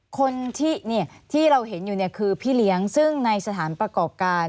คนที่เราเห็นอยู่เนี่ยคือพี่เลี้ยงซึ่งในสถานประกอบการ